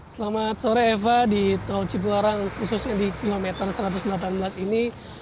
selamat sore eva di tol cipularang khususnya di kilometer satu ratus delapan belas ini